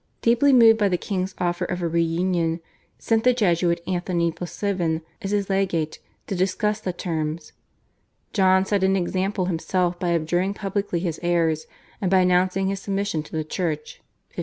deeply moved by the king's offer of a reunion, sent the Jesuit, Anthony Possevin, as his legate to discuss the terms. John set an example himself by abjuring publicly his errors and by announcing his submission to the Church (1578).